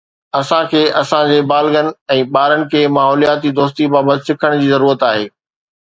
اسان کي اسان جي بالغن ۽ ٻارن کي ماحولياتي دوستي بابت سکڻ جي ضرورت آهي